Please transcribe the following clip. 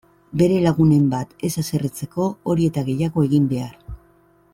Bere lagunen bat ez haserretzeko hori eta gehiago egin behar!